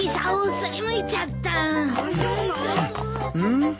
うん？